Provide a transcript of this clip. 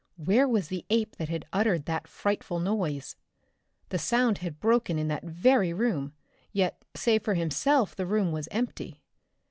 Where was the ape that had uttered that frightful noise? The sound had broken in that very room, yet save for himself the room was empty.